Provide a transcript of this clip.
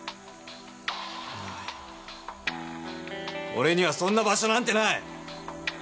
俺にはそんな場所なんてない！